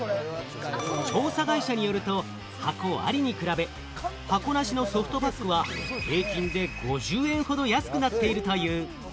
調査会社によると、箱ありに比べ、箱なしのソフトパックは平均で５０円ほど安くなっているという。